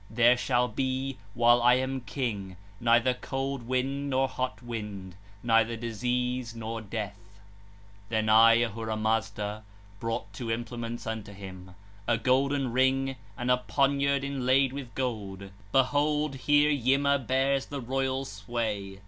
There shall be, while I am king, neither cold wind nor hot wind, neither disease nor death.' 7 (17) 2. Then I, Ahura Mazda, brought two implements unto him: a golden ring and a poniard inlaid with gold 3. Behold, here Yima bears the royal sway!